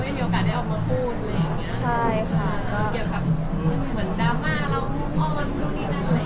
ไม่มีโอกาสได้ออกมาพูดอะไรอย่างนี้